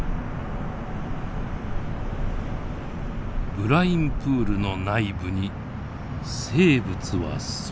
ブラインプールの内部に生物は存在するのか。